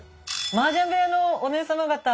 マージャン部屋のお姉様方。